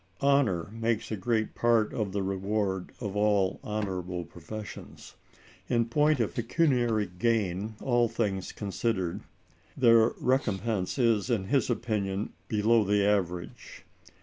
Honor makes a great part of the reward of all honorable professions. In point of pecuniary gain, all things considered," their recompense is, in his opinion, below the average.